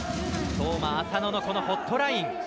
當麻、麻野のホットライン。